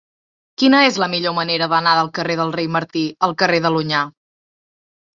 Quina és la millor manera d'anar del carrer del Rei Martí al carrer de l'Onyar?